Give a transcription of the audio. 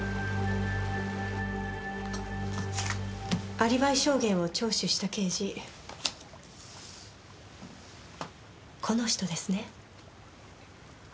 アリバイ証言を聴取した刑事この人ですね？